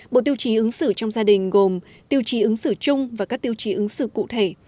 bộ tiêu chí ứng xử trong gia đình gồm tiêu chí ứng xử chung và các tiêu chí ứng xử cụ thể